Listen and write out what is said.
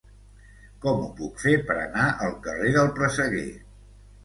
Com ho puc fer per anar al carrer del Presseguer?